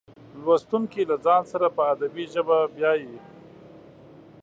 لوستونکي له ځان سره په ادبي ژبه بیایي.